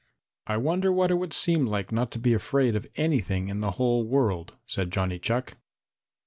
"I wonder what it would seem like not to be afraid of anything in the whole world," said Johnny Chuck.